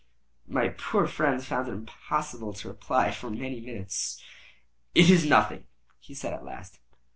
My poor friend found it impossible to reply for many minutes. "It is nothing," he said, at last.